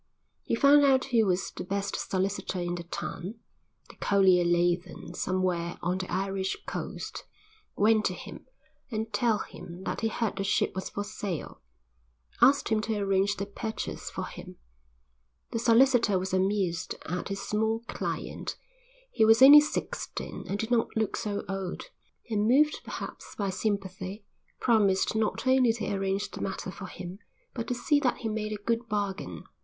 He found out who was the best solicitor in the town the collier lay then somewhere on the Irish coast went to him, and, telling him that he heard the ship was for sale, asked him to arrange the purchase for him. The solicitor was amused at his small client, he was only sixteen and did not look so old, and, moved perhaps by sympathy, promised not only to arrange the matter for him but to see that he made a good bargain.